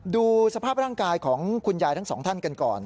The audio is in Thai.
ดูสภาพร่างกายของคุณยายทั้งสองท่านกันก่อน